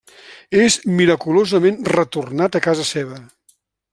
És miraculosament retornat a casa seva.